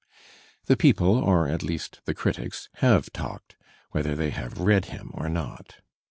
The people, or at least the critics, have talked, whether they have read him or not.